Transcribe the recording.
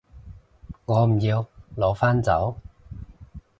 我唔要，攞返走